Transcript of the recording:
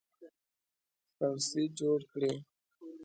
سپڼسي جوړ کړي